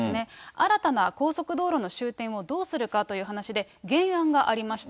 新たな高速道路の終点をどうするかという話で、原案がありました。